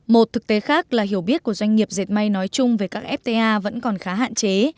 một thực tế khác là hiểu biết của doanh nghiệp dệt may nói chung về các fta vẫn còn khá hạn chế